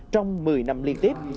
trong một mươi năm liên tiếp